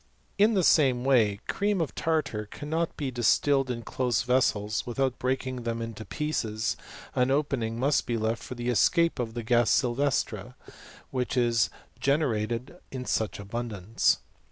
* In the same way cream of tartar cannot be distilled in close vessels without breaking them in pieces, an opening must be left for. the escape of the ga^ sylvestre y which is gene rated in such abundance.